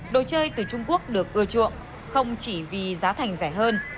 đồ chơi từ trung quốc được ưa chuộng không chỉ vì giá thành rẻ hơn